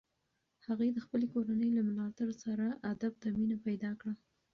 هغې د خپلې کورنۍ له ملاتړ سره ادب ته مینه پیدا کړه.